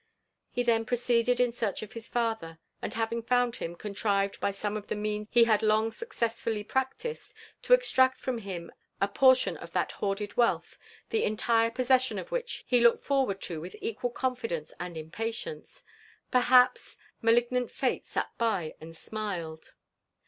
He then proceeded in search of his father, and having found him, contrived, by some of the means he had long successfully practised, to extract fn>m him a por tion of that hoarded wealth, the entire possession of which he looked forward to with equal confidence and impatience. Perhaps, " Malignant Fate sat by and smiled."